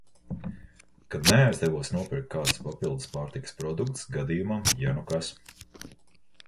Kad neaizdevos nopirkt kādus papildus pārtikas produktus gadījumam, ja nu kas.